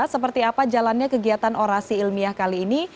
seperti apa jalannya kegiatan orasi ilmiah kali ini